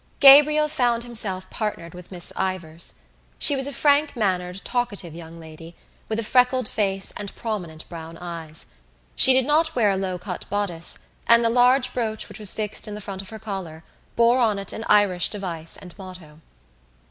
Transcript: Gabriel found himself partnered with Miss Ivors. She was a frank mannered talkative young lady, with a freckled face and prominent brown eyes. She did not wear a low cut bodice and the large brooch which was fixed in the front of her collar bore on it an Irish device and motto.